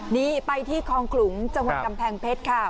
นี่ไปที่คลองขลุงจังหวัดกำแพงเพชรค่ะ